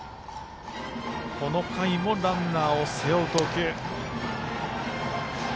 この回もランナーを背負う投球の岡。